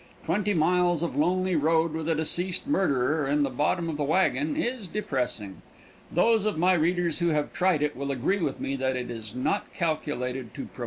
Twenty miles of lonely road with a deceased murderer in the bottom of the wagon is depressing. Those of my readers who have tried it will agree with me that it is not calculated to promote hilarity.